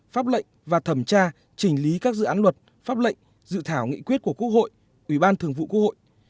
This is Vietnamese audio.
pháp lệnh và thẩm tra chỉnh lý các dự án luật pháp lệnh dự thảo nghị quyết của quốc hội ủy ban thường vụ quốc hội